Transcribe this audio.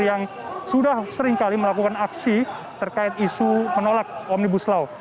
yang sudah seringkali melakukan aksi terkait isu menolak omnibus law